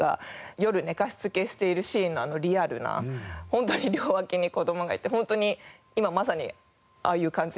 夜寝かしつけしているシーンのあのリアルなホントに両脇に子どもがいてホントに今まさにああいう感じなので。